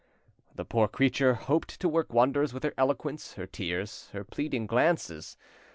The poor creature hoped to work wonders with her eloquence, her tears, her pleading glances.